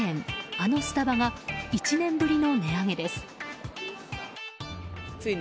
あのスタバが１年ぶりの値上げです。